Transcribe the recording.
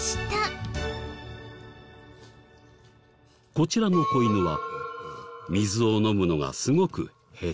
こちらの子犬は。